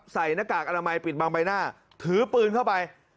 หน้ากากอนามัยปิดบางใบหน้าถือปืนเข้าไป